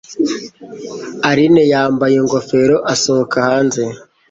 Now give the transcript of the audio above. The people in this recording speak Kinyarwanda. Aline yambaye ingofero asohoka hanze.